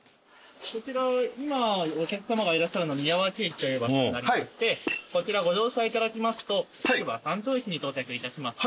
こちら今お客さまがいらっしゃるのは宮脇駅という場所になりましてこちらご乗車いただきますと筑波山頂駅に到着いたします。